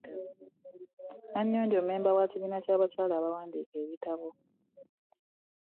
Nannyonjo mmemba wa kibiina kya bakyala abawandiika ebitabo.